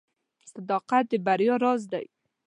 • صداقت د بریا راز دی.